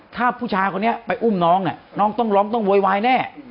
ถ้าผู้ชายคนนี้ไปอุ้มน้องน้องต้องร้องต้องโวยวายแน่